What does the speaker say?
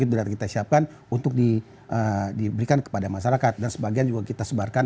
sudah kita siapkan untuk diberikan kepada masyarakat dan sebagian juga kita sebarkan